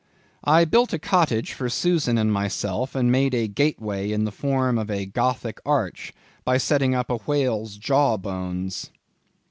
"I built a cottage for Susan and myself and made a gateway in the form of a Gothic Arch, by setting up a whale's jaw bones."